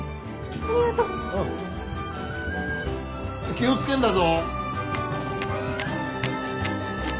気を付けるんだぞ。